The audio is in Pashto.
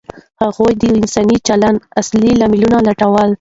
هغوی د انساني چلند اصلي لاملونه لټول.